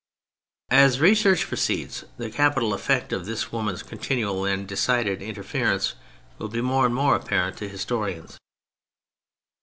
As research proceeds, the capital effect of this woman's continual and decided interference will be more and more apparent to historians.